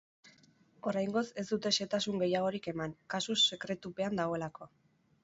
Oraingoz ez dute xehetasun gehiagorik eman, kasu sekretupean dagoelako.